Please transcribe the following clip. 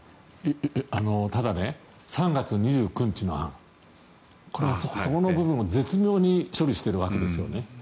ただ、３月２９日の案はそこの部分を絶妙に処理しているわけですよね。